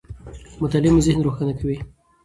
مطالعه مو ذهن روښانه کوي.